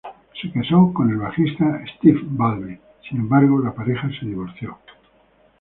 Se casó con el bajista Steve Balbi, sin embargo la pareja se divorció.